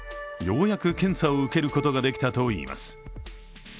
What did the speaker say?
ようやく検査を受けることができたといいます。